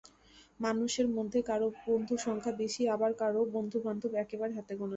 মানুষের মধ্যে কারও বন্ধুর সংখ্যা বেশি, আবার কারও বন্ধুবান্ধব একেবারে হাতে গোনা।